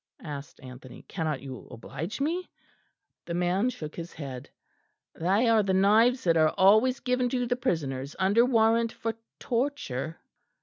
asked Anthony; "cannot you oblige me?" The man shook his head. "They are the knives that are always given to prisoners under warrant for torture."